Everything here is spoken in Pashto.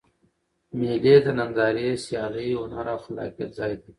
مېلې د نندارې، سیالۍ، هنر او خلاقیت ځای دئ.